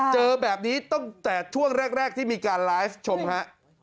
เจอแบบนี้ตั้งแต่ช่วงแรกที่มีการไลฟ์ชมฮะ